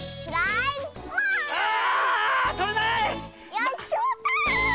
よしきまった！